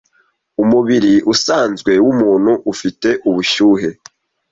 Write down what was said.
Umubiri usanzwe wumuntu ufite ubushyuhe